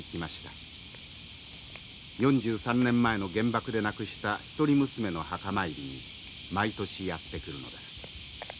４３年前の原爆で亡くした一人娘の墓参りに毎年やって来るのです。